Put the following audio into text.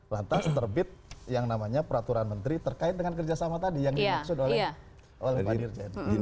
lantas terbit yang namanya peraturan menteri terkait dengan kerjasama tadi yang dimaksud oleh pak dirjen